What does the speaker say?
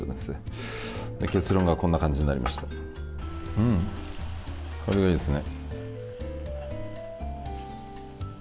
うん、香りがいいですね。